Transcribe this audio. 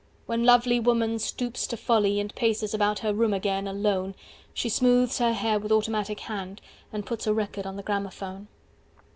When lovely woman stoops to folly and Paces about her room again, alone, She smoothes her hair with automatic hand, 255 And puts a record on the gramophone.